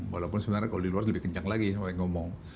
walaupun sebenarnya kalau di luar itu lebih kencang lagi sama yang ngomong